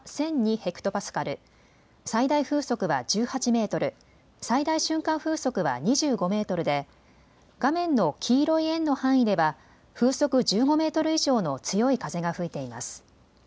ヘクトパスカル、最大風速は１８メートル、最大瞬間風速は２５メートルで画面の黄色い円の範囲では風速１５メートル以上の強い風が吹いています。